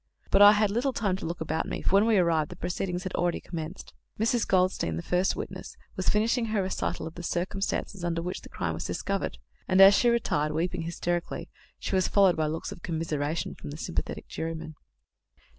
But I had little time to look about me, for when we arrived, the proceedings had already commenced. Mrs. Goldstein, the first witness, was finishing her recital of the circumstances under which the crime was discovered, and, as she retired, weeping hysterically, she was followed by looks of commiseration from the sympathetic jurymen.